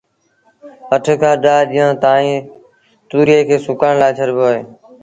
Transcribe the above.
اَٺ کآݩ ڏآه ڏيݩهآݩ تائيٚݩ تُويئي کي سُڪڻ لآ ڇڏبو اهي